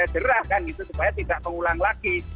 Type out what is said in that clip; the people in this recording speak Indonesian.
jerah kan itu supaya tidak mengulang lagi